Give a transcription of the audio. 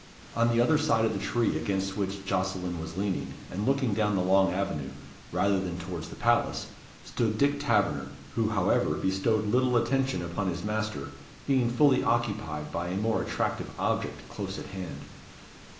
On the other side of the tree against which Jocelyn was leaning, and looking down the long avenue, rather than towards the palace, stood Dick Taverner, who however bestowed little attention upon his master, being fully occupied by a more attractive object close at hand.